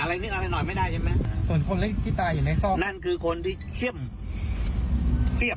อะไรนิดอะไรหน่อยไม่ได้ใช่ไหมส่วนคนที่ตายอยู่ในซ่อมนั่นคือคนที่เชียบเชียบ